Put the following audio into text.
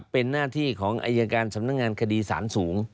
เป็นหน้าที่ของอายการสำนักงานคดีสารสูง